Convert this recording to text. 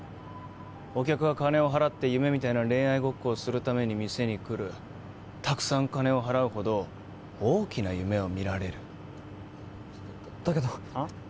お客は金を払って夢みたいな恋愛ごっこをするために店に来るたくさん金を払うほど大きな夢を見られるだけどあっ？